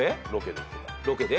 ロケで？